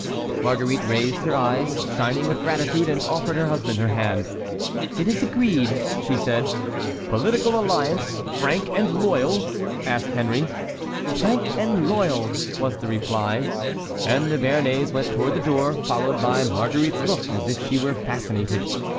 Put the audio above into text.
Marguerite raised her eyes, shining with gratitude, and offered her husband her hand. "It is agreed," she said. "Political alliance, frank and loyal?" asked Henry. "Frank and loyal," was the reply. And the Béarnais went toward the door, followed by Marguerite's look as if she were fascinated.